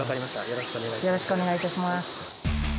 よろしくお願いします。